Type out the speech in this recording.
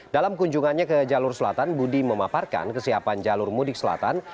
dalam kunjungannya ke jalur selatan budi memaparkan kesiapan jalur mudik selatan